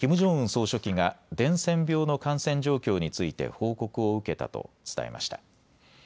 総書記が伝染病の感染状況について報告を受けたと伝えました。